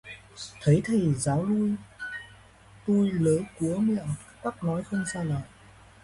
Thấy thầy giáo tui, luớ quớ, miệng lắp bắp nói không ra lời